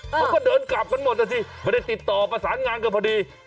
เขาก็เดินกลับกันหมดนะสิไม่ได้ติดต่อประสานงานกันพอดี